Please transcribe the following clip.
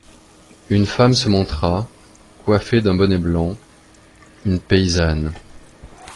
Une femme se montra, coiffée d'un bonnet blanc, une paysanne.